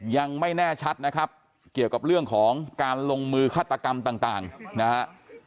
ยังไม่แน่ชัดนะครับเกี่ยวกับเรื่องของการลงมือฆาตกรรมต่างนะฮะ